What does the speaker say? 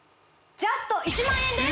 ジャスト１万円です